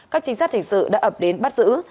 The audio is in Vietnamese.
các trinh sát hình sự đã ập đến bắt giữ